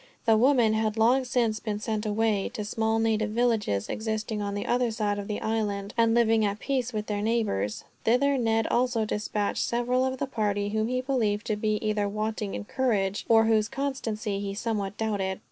The women had long since been sent away, to small native villages existing on the other side of the island, and living at peace with their neighbors Thither Ned also dispatched several of the party whom he believed to be either wanting in courage, or whose constancy he somewhat doubted.